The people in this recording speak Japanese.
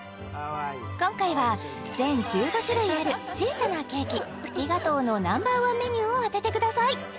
今回は全１５種類ある小さなケーキプティガトーのＮｏ．１メニューを当ててください